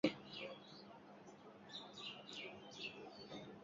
রঘুপতি কহিলেন, কাল এখান হইতে যাত্রা করিতে হইবে।